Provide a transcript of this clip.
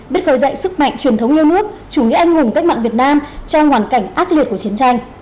biết khởi dậy sức mạnh truyền thống yêu nước chủ nghĩa anh hùng cách mạng việt nam trong hoàn cảnh ác liệt của chiến tranh